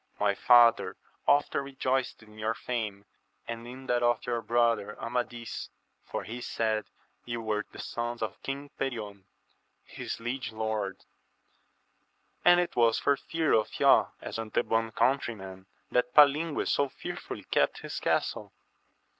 my father often rejoiced in your fame, and in that of your brother Amadis, for he said you were the sons of King Perion, his liege lord ; and it was for fear of ye, as Antebon's countrymen, that Palingues so fearfully kept his castle.